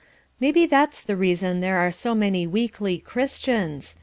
Maybe that's the reason there are so many weakly Christians.